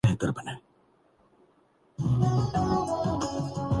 دونوں کے مرکزی کردار خادم اعلی ہیں۔